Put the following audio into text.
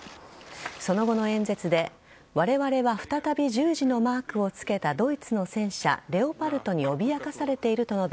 その後の演説で、われわれは再び十字のマークを付けたドイツの戦車レオパルトに脅かされていると述べ